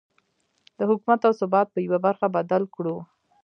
د حکومت او ثبات په يوه برخه بدل کړو.